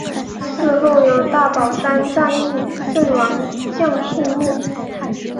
祠后有大宝山战役阵亡将士墓。